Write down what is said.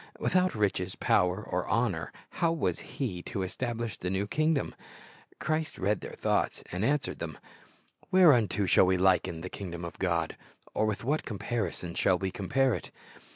Without riches, power, or honor, how was He to establish the new kingdom? Christ read their thoughts and answered them: — "Whereunto shall we liken the kingdom of God? or with what comparison shall we compare it?"